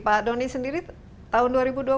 pak doni sendiri tahun dua ribu dua puluh